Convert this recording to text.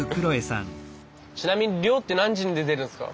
ちなみに漁って何時に出てるんですか？